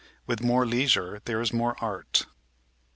With more leisure, there is more art.